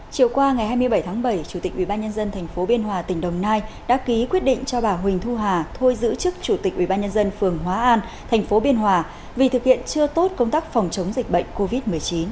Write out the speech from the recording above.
chiều qua ngày hai mươi bảy tháng bảy chủ tịch ubnd tp biên hòa tỉnh đồng nai đã ký quyết định cho bà huỳnh thu hà thôi giữ chức chủ tịch ubnd phường hóa an thành phố biên hòa vì thực hiện chưa tốt công tác phòng chống dịch bệnh covid một mươi chín